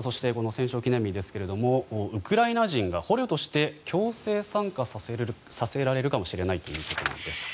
そしてこの戦勝記念日ですがウクライナ人が捕虜として強制参加させられるかもしれないということなんです。